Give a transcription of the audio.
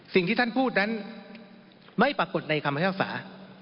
สิ่งที่ท่านพูดนั้นไม่ปรากฏในคำพิพากษา